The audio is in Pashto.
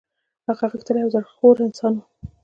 هغه غښتلی او زهر خوره انسان وو.